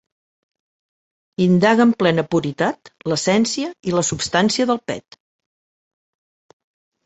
Indague en plena puritat l'essència i la substància del pet.